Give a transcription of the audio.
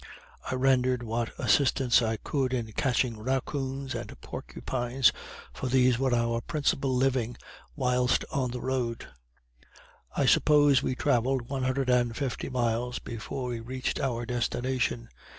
I rendered what assistance I could in catching raccoons and porcupines, for these were our principal living whilst on the road. I suppose we travelled one hundred and fifty miles before we reached our destination.